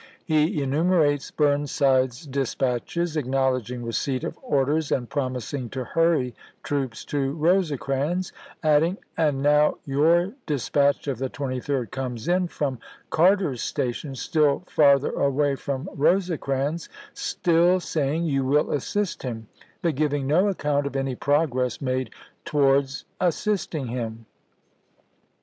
He enumerates Burnside's dis patches, acknowledging receipt of orders and promising to hurry troops to Rosecrans, adding, " and now your dispatch of the 23d comes in from Carter's Station, still farther away from Rosecrans, still sajang you will assist him, but giving no account of any progress made towards assisting him."